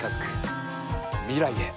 未来へ。